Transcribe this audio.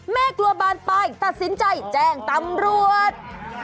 แม่กลัวบานไปตัดสินใจแจ้งตำรวจ